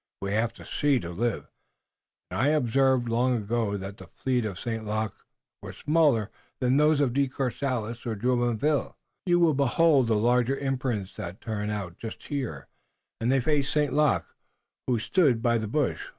We have to see to live, and I observed long ago that the feet of St. Luc were smaller than those of De Courcelles or Jumonville. You will behold the larger imprints that turn out just here, and they face St. Luc, who stood by the bush.